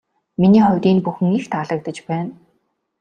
Миний хувьд энэ бүхэн их таалагдаж байна.